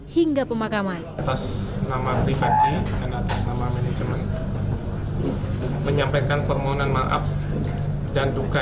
hingga pemakaman atas nama pribadi dan atas nama manajemen menyampaikan permohonan maaf dan duka